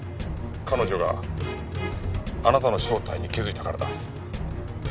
彼女があなたの正体に気づいたからだ。